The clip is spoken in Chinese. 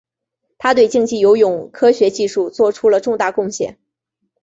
他对竞技游泳科学技术做出了重大贡献。